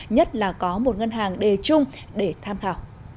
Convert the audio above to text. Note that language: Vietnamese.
nhất là có một ngân hàng đề chung để tham khảo